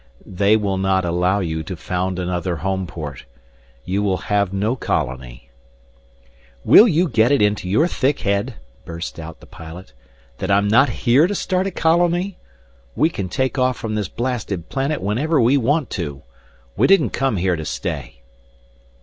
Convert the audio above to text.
"They will not allow you to found another Homeport. You will have no colony " "Will you get it into your thick head," burst out the pilot, "that I'm not here to start a colony! We can take off from this blasted planet whenever we want to. We didn't come here to stay!"